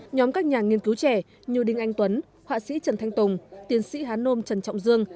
nhóm các nhà nghiên cứu trẻ như đinh anh tuấn họa sĩ trần thanh tùng tiến sĩ hán nôm trần trọng dương